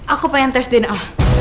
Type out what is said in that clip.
aku pengen tes dna